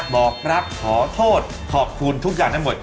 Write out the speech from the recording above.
บอกรักขอโทษขอบคุณทุกอย่างทั้งหมด